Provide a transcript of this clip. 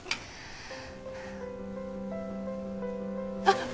あっ！